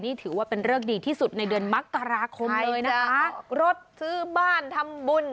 นี่ถือว่าเป็นเริกดีที่สุดในเดือนมกราคมเลยนะคะรถซื้อบ้านทำบุญ